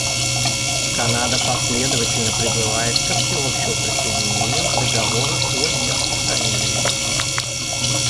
Канада последовательно призывает ко всеобщему присоединению к Договору о нераспространении.